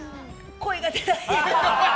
声が出ない。